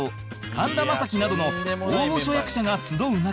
神田正輝などの大御所役者が集う中